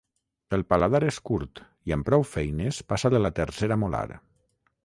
El paladar és curt i amb prou feines passa de la tercera molar.